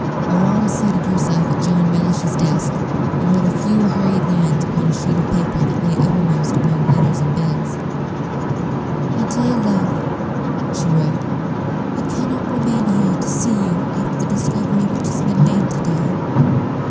Aurora seated herself at John Mellish's desk, and wrote a few hurried lines upon a sheet of paper that lay uppermost among letters and bills. "MY DEAR LOVE," she wrote, "I can not remain here to see you after the discovery which has been made to day.